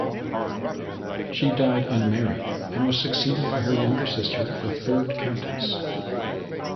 She died unmarried and was succeeded by her younger sister, the third Countess.